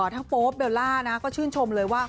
โป๊ปเบลล่าก็ชื่นชมเลยว่า